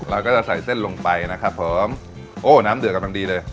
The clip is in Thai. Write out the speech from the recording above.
เราก็จะใส่เส้นลงไปน้ำเดือนกำลังดีเลย